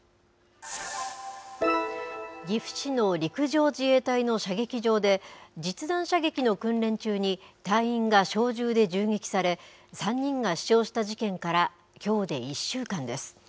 岐阜市の陸上自衛隊の射撃場で、実弾射撃の訓練中に、隊員が小銃で銃撃され、３人が死傷した事件から、きょうで１週間です。